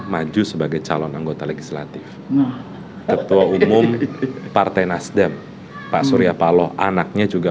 maju sebagai calon anggota legislatif ketua umum partai nasdem pak surya paloh anaknya juga